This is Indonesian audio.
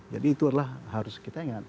jadi itu adalah harus kita ingat